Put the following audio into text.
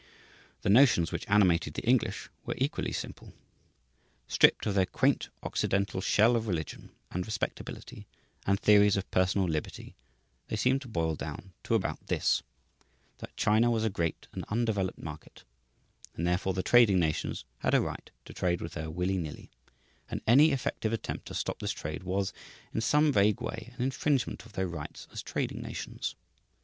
The notions which animated the English were equally simple. Stripped of their quaint Occidental shell of religion and respectability and theories of personal liberty, they seem to boil down to about this that China was a great and undeveloped market and therefore the trading nations had a right to trade with her willy nilly, and any effective attempt to stop this trade was, in some vague way, an infringement of their rights as trading nations.